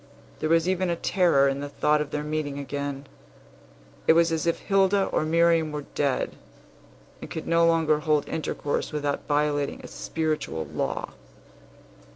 There was even a terror in the thought of their meeting again. It was as if Hilda or Miriam were dead, and could no longer hold intercourse without violating a spiritual law.